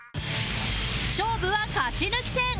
勝負は勝ち抜き戦